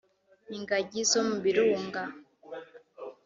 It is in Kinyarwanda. ingagi zo mu birunga